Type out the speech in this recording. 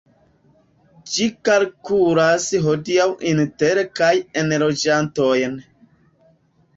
Ĝi kalkulas hodiaŭ inter kaj enloĝantojn.